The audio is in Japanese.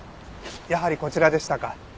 やはりこちらでしたか。